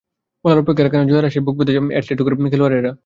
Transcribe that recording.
বলার অপেক্ষা রাখে না, জয়ের আশায় বুক বেঁধে ছিলেন অ্যাটলেটিকোর খেলোয়াড়েরা।